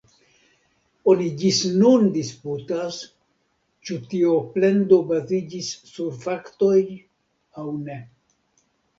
Oni ĝis nun disputas, ĉu tio plendo baziĝis sur faktoj aŭ ne.